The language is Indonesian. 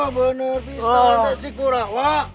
oh bener bisa sih kurawa